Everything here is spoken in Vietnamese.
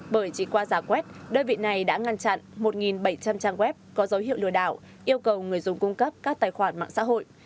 bởi chỉ qua giả quét đơn vị này đã ngăn chặn một bảy trăm linh trang web có dấu hiệu lừa đảo yêu cầu người dùng cung cấp các tài khoản mạng xã hội